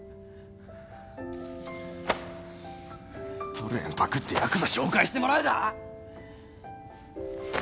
トルエンパクってヤクザ紹介してもらうだ？